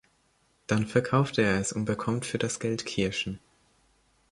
Dann verkauft er es und bekommt für das Geld Kirschen.